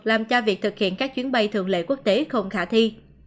làm cho việc thực hiện các chuyến bay thường lễ quốc tế không khả thi